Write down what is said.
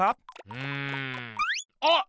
うん。あっ！